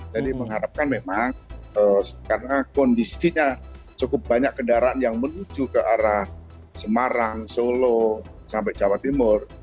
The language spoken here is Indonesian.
mengharapkan memang karena kondisinya cukup banyak kendaraan yang menuju ke arah semarang solo sampai jawa timur